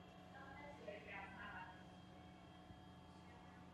West také několikrát čerpal inspiraci v muzeu Louvre.